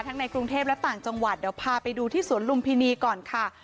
ในกรุงเทพและต่างจังหวัดเดี๋ยวพาไปดูที่สวนลุมพินีก่อนค่ะ